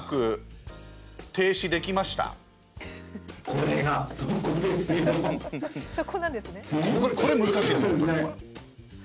これ難しいんですよ